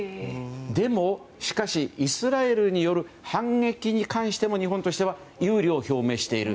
でも、しかし、イスラエルによる反撃に関しても日本としては憂慮を表明している。